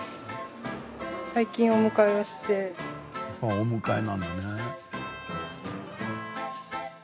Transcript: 「お迎え」なんだね。